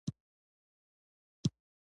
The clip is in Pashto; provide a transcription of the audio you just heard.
د بایسکل چلولو په وخت باید موبایل ونه کارول شي.